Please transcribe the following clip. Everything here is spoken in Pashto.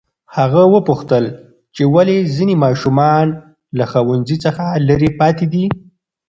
هغه وپوښتل چې ولې ځینې ماشومان له ښوونځي څخه لرې پاتې دي.